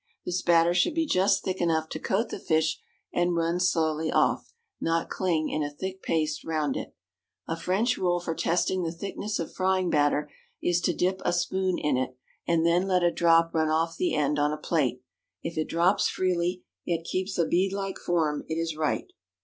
This batter should be just thick enough to coat the fish and run slowly off, not cling in a thick paste round it. A French rule for testing the thickness of frying batter is to dip a spoon in it and then let a drop run off the end on a plate; if it drops freely, yet keeps a beadlike form, it is right.